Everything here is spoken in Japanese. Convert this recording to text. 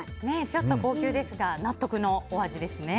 ちょっと高級ですが納得のお味ですね。